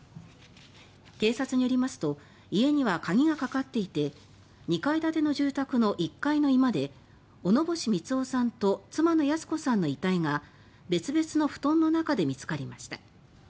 警察によりますと家には鍵がかかっていて２階建ての住宅の１階の居間で小野星三男さんと妻の泰子さんの遺体が別々の布団の中で見つかりました。